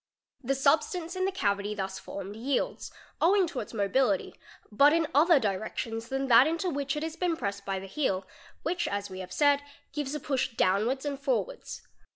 The substance in the cavity thus formed yields, owing to its mobility, but in other direc tions than that into which it has been pressed by the heel, which, as have said, gives a push downwards and forwards.